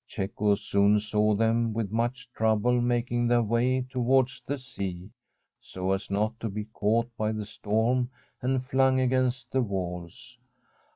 Cecco soon saw them with much trouble making their way towards the sea, so as not to be caught by the storm and flung against the walls.